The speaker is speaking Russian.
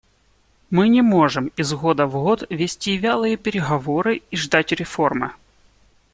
Мы не можем из года в год вести вялые переговоры и ждать реформы.